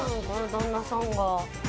旦那さんが。